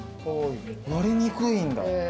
割れにくいんだ。